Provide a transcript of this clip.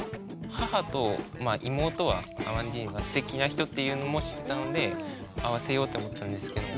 母と妹はアマンディーヌがすてきな人っていうのも知ってたので会わせようって思ってたんですけど